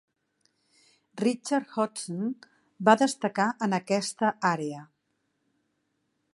Richard Hodgson va destacar en aquesta àrea.